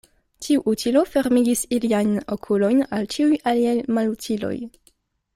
Tiu utilo fermigis iliajn okulojn al ĉiuj aliaj malutiloj.